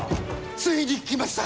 ついに来ました。